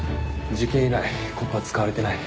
事件以来ここは使われてない。